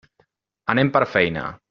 Anem per feina.